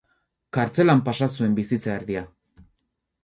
Kartzelan pasa zuen bizitza erdia.